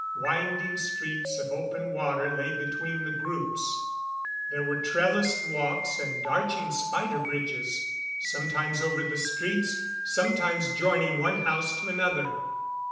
Winding streets of open water lay between the groups. There were trellised walks and arching spider bridges, sometimes over the streets, sometimes joining one house to another.